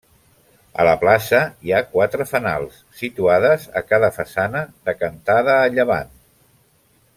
A la plaça hi ha quatre fanals, situades a cada façana decantada a llevant.